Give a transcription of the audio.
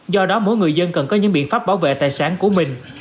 do đó mỗi người dân cần có những biện pháp bảo vệ tài sản của mình